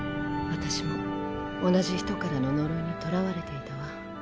私も同じ人からの呪いにとらわれていたわ。